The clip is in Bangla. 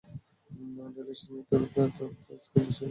ডেল স্টেইন ছিল তুরুপের তাস, কিন্তু সেও পারেনি প্রত্যাশা পূরণ করতে।